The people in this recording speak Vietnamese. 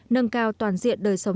nâng cao toàn diện đời sống